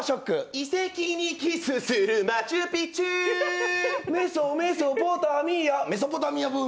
遺跡にキスするマチュピチュー。